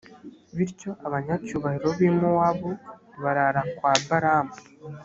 bityo abanyacyubahiro b’i mowabu barara kwa balamu.